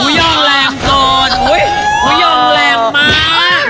อย่างแรงก่อนอย่างแรงมาก